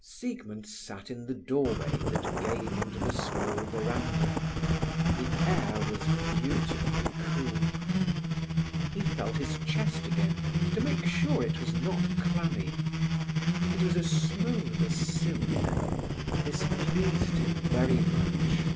Siegmund sat in the doorway that gave on to the small veranda. The air was beautifully cool. He felt his chest again to make sure it was not clammy. It was smooth as silk. This pleased him very much.